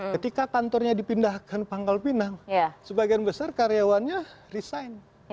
ketika kantornya dipindahkan pangkal pinang sebagian besar karyawannya resign